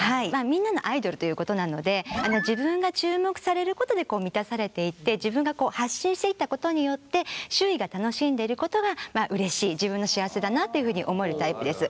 みんなのアイドルということなので自分が注目されることで満たされていって自分が発信していったことによって周囲が楽しんでいることがうれしい自分の幸せだなというふうに思えるタイプです。